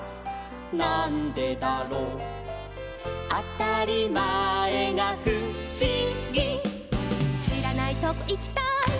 なんでだろう」「あたりまえがふしぎ」「しらないとこいきたい」